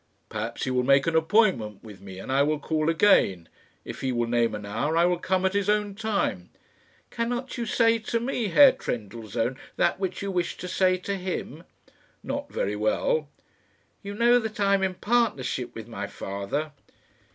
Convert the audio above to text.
"Perhaps he will make an appointment with me, and I will call again. If he will name an hour, I will come at his own time." "Cannot you say to me, Herr Trendellsohn, that which you wish to say to him?" "Not very well." "You know that I am in partnership with my father."